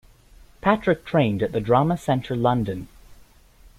Patrick trained at the Drama Centre London.